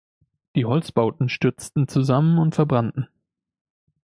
Die Holzbauten stürzten zusammen und verbrannten.